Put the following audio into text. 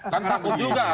kan takut juga